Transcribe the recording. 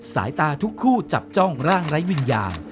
สายตาทุกคู่จับจ้องร่างไร้วิญญาณ